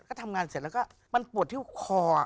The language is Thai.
ก็ทำงานเสร็จแล้วก็มันปวดที่คอ